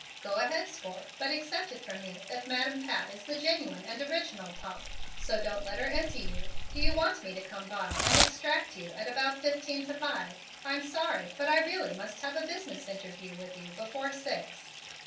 "Go ahead, sport, but accept it from me that Madam Pat is the genuine and original pump; so don't let her empty you. Do you want me to come by and extract you at about fifteen to five? I'm sorry, but I really must have a business interview with you before six."